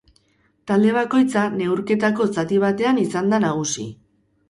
Talde bakoitza neurketako zati batean izan da nagusi.